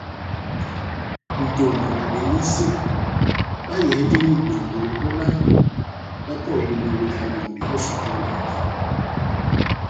Nʼtonga na Belisé bayɛhɛndini byongo ó náh bapɔheni mawela lɔmbi ó sukulu.